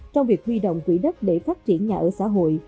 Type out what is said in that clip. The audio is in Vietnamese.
trong việc huy động quỹ đất để phát triển nhà ở xã hội